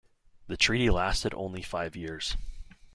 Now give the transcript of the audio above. The treaty lasted only five years.